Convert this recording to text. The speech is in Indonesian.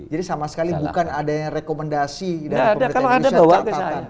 jadi sama sekali bukan ada rekomendasi dari pemerintah indonesia